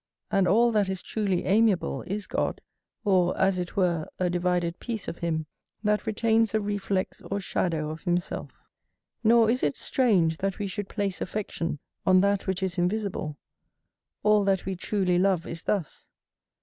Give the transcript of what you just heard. And all that is truly amiable is God, or as it were a divided piece of him, that retains a reflex or shadow of himself. Nor is it strange that we should place affection on that which is invisible: all that we truly love is thus.